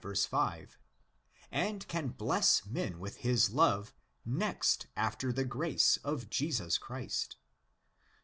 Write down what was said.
5); and can bless men with his love next after the grace of Jesus Christ (xvi.